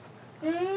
うん！